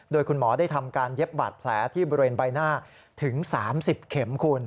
โดยคุณหมอได้ทำการเย็บบาดแผลที่บริเวณใบหน้าถึง๓๐เข็มคุณ